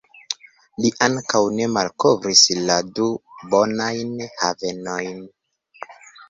Li ankaŭ ne malkovris la du bonajn havenojn.